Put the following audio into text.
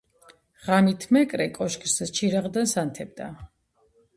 ღამით მეკრე კოშკზე ჩირაღდანს ანთებდა.